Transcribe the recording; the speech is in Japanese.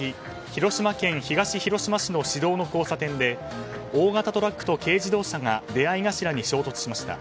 広島県東広島市の市道の交差点で大型トラックと軽自動車が出合い頭に衝突しました。